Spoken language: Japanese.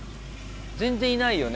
全然いないよね